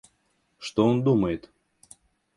Что он думает?